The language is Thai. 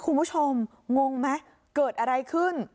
คุณผู้ชมงงไหมเกิดอะไรขึ้น